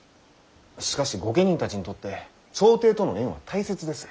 しかし御家人たちにとって朝廷との縁は大切です。